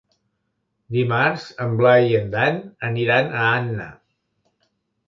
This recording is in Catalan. Dimarts en Blai i en Dan aniran a Anna.